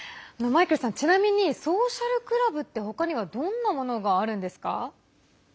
ちなみに、ソーシャルクラブって他にはどんなものがあるんですか。